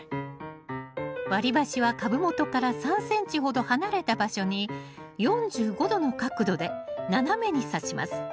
割り箸は株元から３ｃｍほど離れた場所に４５度の角度で斜めにさします。